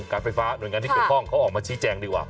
การไฟฟ้าหน่วยงานที่เกี่ยวข้องเขาออกมาชี้แจงดีกว่า